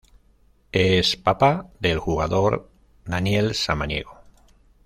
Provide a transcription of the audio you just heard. Es papá del jugador Daniel Samaniego.